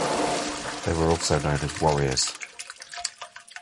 They were also known as warriors.